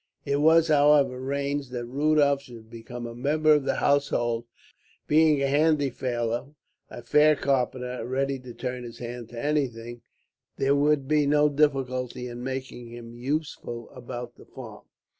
It was, however, arranged that Rudolph should become a member of the household. Being a handy fellow, a fair carpenter, and ready to turn his hand to anything, there would be no difficulty in making him useful about the farm.